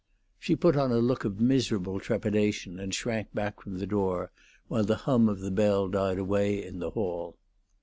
She put on a look of miserable trepidation, and shrank back from the door, while the hum of the bell died away, in the hall.